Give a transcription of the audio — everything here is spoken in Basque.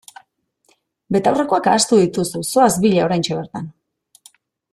Betaurrekoak ahaztu dituzu, zoaz bila oraintxe bertan!